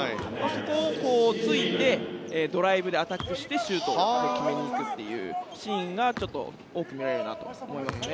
そこを突いてドライブでアタックしてシュートを決めに行くというシーンがちょっと多く見られるなと思いますね。